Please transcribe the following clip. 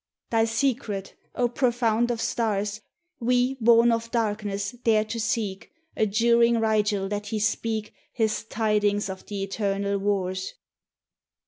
Thy secret, O profound of stars ! We, born of darkness, dare to seek, Adjuring Rigel that he speak His tidings of the eternal wars.